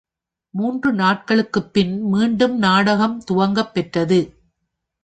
மூன்று நாட்களுக்குப் பின் மீண்டும் நாடகம் துவக்கப் பெற்றது.